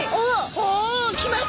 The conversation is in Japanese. おお来ましたか！